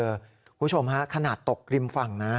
คุณผู้ชมฮะขนาดตกริมฝั่งนะ